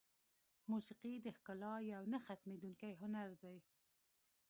موسیقي د ښکلا یو نه ختمېدونکی هنر دی.